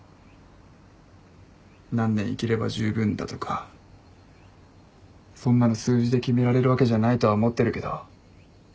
何年生きれば十分だとかそんなの数字で決められるわけじゃないとは思ってるけど。